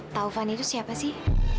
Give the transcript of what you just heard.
kak sebenarnya taufan itu siapa sih